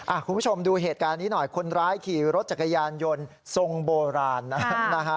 คุณผู้ชมดูเหตุการณ์นี้หน่อยคนร้ายขี่รถจักรยานยนต์ทรงโบราณนะฮะ